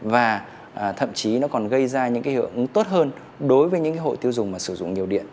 và thậm chí nó còn gây ra những hưởng tốt hơn đối với những hội tiêu dùng sử dụng nhiều điện